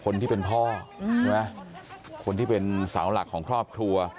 คนที่เป็นพ่อใช่ไหมคนที่เป็นเสาหลักของครอบครัว